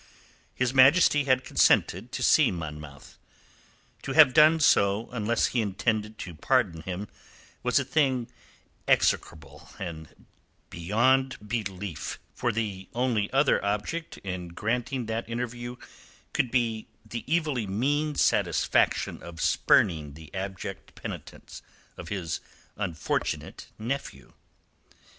His Majesty had consented to see Monmouth. To have done so unless he intended to pardon him was a thing execrable and damnable beyond belief; for the only other object in granting that interview could be the evilly mean satisfaction of spurning the abject penitence of his unfortunate nephew.